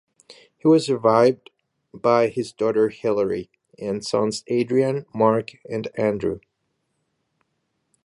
He was survived by his daughter Hilary, and sons Adrian, Mark and Andrew.